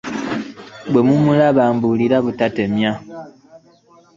Bwe mmulaba mbula butatemya.